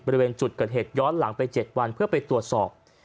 บริเวณจุดเกิดเหตุย้อนหลังไป๗วันเพื่อไปตรวจสอบ